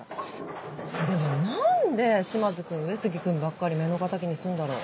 でも何で島津君上杉君ばっかり目の敵にすんだろう。